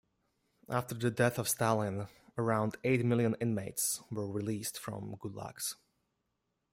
After the death of Stalin, around eight million inmates were released from "gulags".